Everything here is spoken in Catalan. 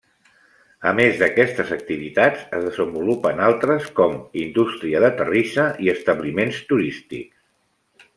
A més d'aquestes activitats es desenvolupen altres com indústria de terrissa i establiments turístics.